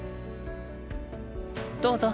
どうぞ。